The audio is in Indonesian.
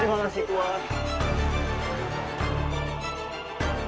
terima kasih tuhan